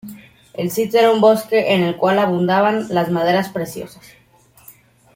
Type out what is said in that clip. El sitio era un bosque en el cual abundaban las maderas preciosas.